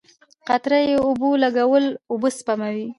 قطره یي اوبولګول اوبه سپموي.